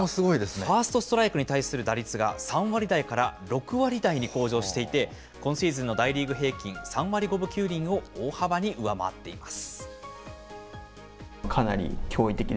ファーストストライクに対する打率が、３割台から６割台に向上していて今シーズンの大リーグ平均３割５分９厘を大幅に上回っています。